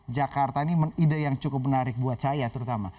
jakarta ini ide yang cukup menarik buat saya terutama